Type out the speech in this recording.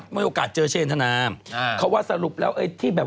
ไม่มีโอกาสเจอเช่นท่านาเขาว่าสรุปแล้วที่ไปโดน